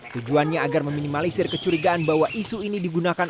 tujuannya agar meminimalisir kecurigaan bahwa isu ini digunakan